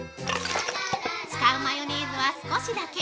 使うマヨネーズは少しだけ！